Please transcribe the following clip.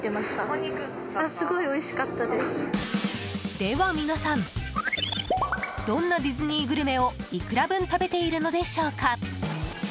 では皆さんどんなディズニーグルメをいくら分食べているのでしょうか？